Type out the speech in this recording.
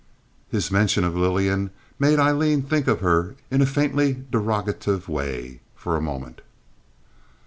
His mention of Lillian made Aileen think of her in a faintly derogative way for a moment.